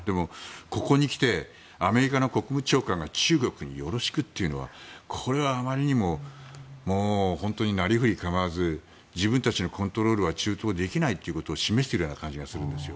ここにきてアメリカの国務長官が中国によろしくって言うのはこれはあまりにも本当になりふり構わず自分たちがコントロールは中東はできないと示しているような感じがするんですよ。